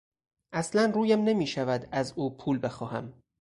اصلا رویم نمیشود از او پول بخواهم.